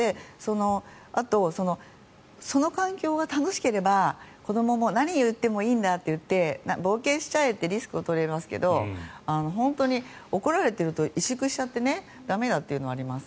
あと、その環境が楽しければ子どもも何を言ってもいいんだっていって冒険しちゃえってリスクを取れますけど本当に怒られていると萎縮しちゃって駄目だというのがあります。